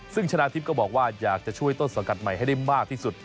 ซึ่งชนะทิพย์ก็บอกว่าอยากจะช่วยต้นสังกัดใหม่ให้ได้มากที่สุด